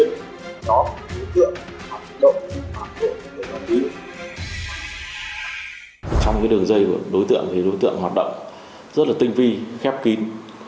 trong cái đường dây của đối tượng thì đối tượng hoạt động rất là tinh vi khép kín